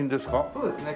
そうですね。